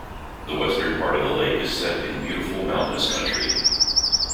The western part of the lake is set in beautiful mountainous country.